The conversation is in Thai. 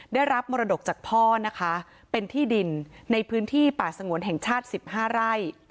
ได้รับมรดกจากพ่อนะคะเป็นที่ดินในพื้นที่ป่าสงวนแห่งชาติ๑๕ไร่